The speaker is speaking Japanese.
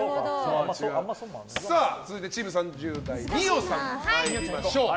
続いてチーム３０代二葉さん、参りましょう。